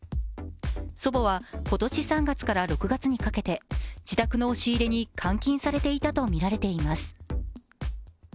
祖母は今年３月から６月にかけて自宅の押し入れに監禁されていたとみられています。